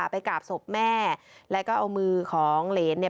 ไปกราบศพแม่แล้วก็เอามือของเหรนเนี่ย